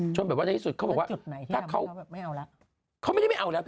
แบบว่าในที่สุดเขาบอกว่าถ้าเขาไม่เอาแล้วเขาไม่ได้ไม่เอาแล้ว